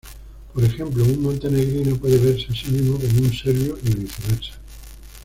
Por ejemplo, un "montenegrino" puede verse a sí mismo como un serbio y viceversa.